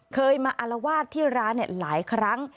เคยมาอารวาสที่ร้านหลายครั้ง